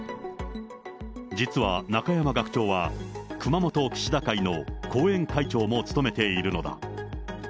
実は中山学長は、熊本岸田会の後援会長も務めているのだ。